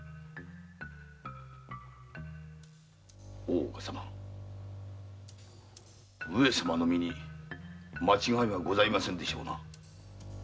大岡様上様の身に間違いはございませんでしょうな。